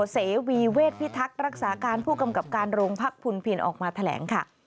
เสวีเวทพิทักษ์รักษาการผู้กำกับการโรงพักพุนพินออกมาแถลงค่ะ